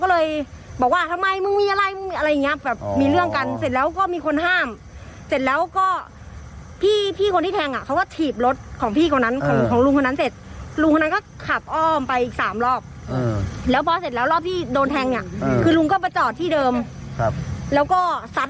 เลยคือวิ่งใส่กันตรงนั้นก่อนค่ะวิ่งใส่กันลุงก็วิ่งใส่